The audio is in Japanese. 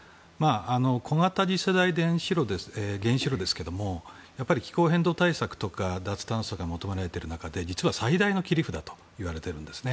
小型次世代原子炉ですけども気候変動対策とか脱炭素が求められている中で実は最大の切り札といわれているんですね。